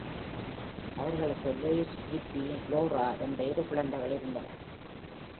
அவர்களுக்கு Luis Felipe, Laura என்ற இரு குழந்தைகள் இருந்தனர்.